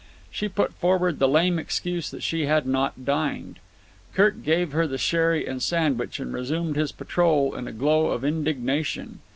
She put forward the lame excuse that she had not dined. Kirk gave her the sherry and sandwich and resumed his patrol in a glow of indignation.